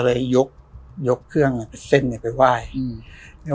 เลยยกยกเครื่องอ่ะเส้นเนี้ยไปไหว้อืม